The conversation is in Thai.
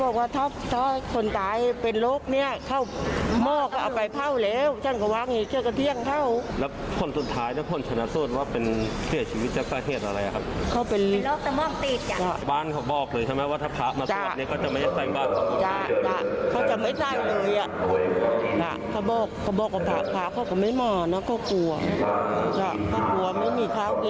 คนสุดท้ายคนชนะสูตรเป็นชีวิตสาเหตุอะไร